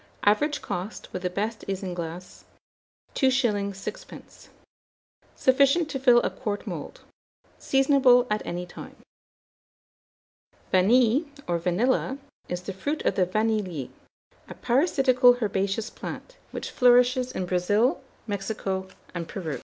Average cost, with the best isinglass, 2s. 6d. Sufficient to fill a quart mould. Seasonable at any time. VANILLE or VANILLA, is the fruit of the vanillier, a parasitical herbaceous plant, which flourishes in Brazil, Mexico, and Peru.